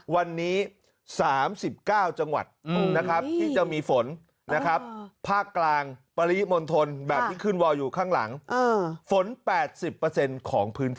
วันนี้๓๙จังหวัดนะครับที่จะมีฝนนะครับภาคกลางปริมณฑลแบบที่ขึ้นวอลอยู่ข้างหลังฝน๘๐ของพื้นที่